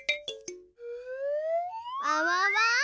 あわわ！